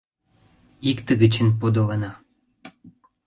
Икте гычын подылына.